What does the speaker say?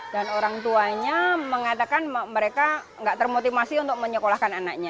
dan orang tuanya mengatakan mereka nggak termotivasi untuk menyekolahkan anaknya